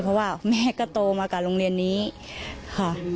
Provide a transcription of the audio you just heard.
เพราะว่าแม่ก็โตมากับโรงเรียนนี้ค่ะ